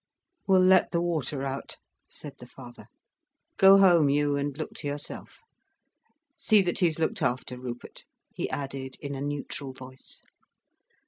"We'll let the water out," said the father. "Go home you and look to yourself. See that he's looked after, Rupert," he added in a neutral voice.